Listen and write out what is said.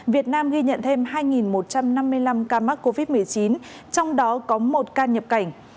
việt nam ghi nhận thêm hai một trăm năm mươi năm ca mắc covid một mươi chín trong đó có một ca nhập cảnh